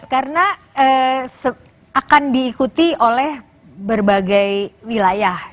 karena akan diikuti oleh berbagai wilayah